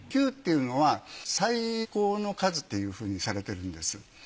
９というのは最高の数というふうにされてるんです。